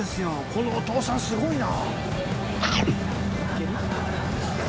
このお父さんすごいな。